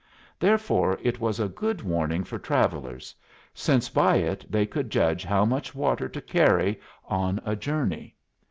Therefore it was a good warning for travellers, since by it they could judge how much water to carry on a journey.